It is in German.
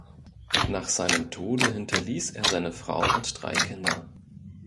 Nach seinem Tode hinterließ er seine Frau und drei Kinder.